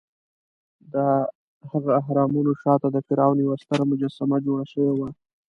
دهغه اهرامونو شاته د فرعون یوه ستره مجسمه جوړه شوې وه.